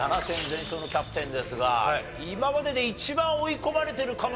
全勝のキャプテンですが今までで一番追い込まれてるかもしれませんね。